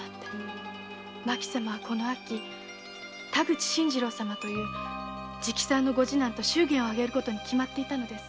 麻紀様は秋に田口信次郎様という直参の御次男と祝言を挙げることに決まっていたのです。